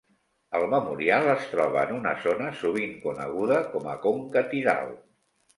El memorial es troba en una zona sovint coneguda com a Conca Tidal.